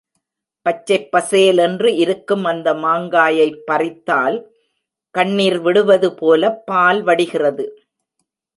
பச்சைப் பசேல் என்று இருக்கும் அந்த மாங்காயைப் பறித்தால் கண்ணிர் விடுவது போலப் பால் வடிகிறது.